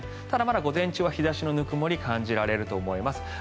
ただ、まだ午前中は日差しのぬくもり感じられると思います。